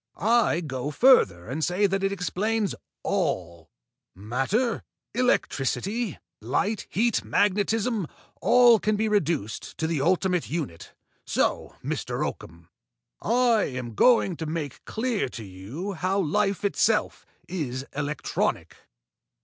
I go further and say that it explains all. Matter, electricity, light, heat, magnetism all can be reduced to the ultimate unit. So, Mr. Oakham, I am going to make clear to you how life itself is electronic."